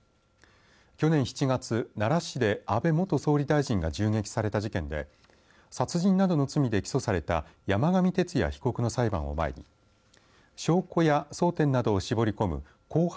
去年７月、奈良市で安倍元総理大臣が銃撃された事件で殺人などの罪で起訴された山上徹也被告の裁判を前に証拠や争点などを絞り込む公判